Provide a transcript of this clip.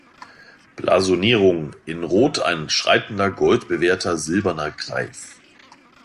Blasonierung: "In Rot ein schreitender, goldbewehrter silberner Greif.